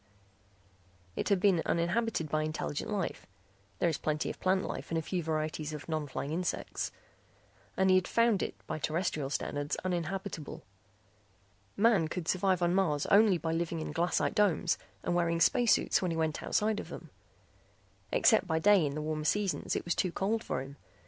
It had been uninhabited by intelligent life (there is plenty of plant life and a few varieties of non flying insects) and he had found it by terrestrial standards uninhabitable. Man could survive on Mars only by living inside glassite domes and wearing space suits when he went outside of them. Except by day in the warmer seasons it was too cold for him.